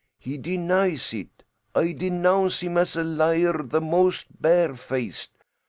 He denies it. I denounce him as a liar the most barefaced.